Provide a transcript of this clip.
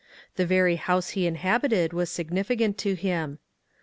The very house he inhab ited was significant to him.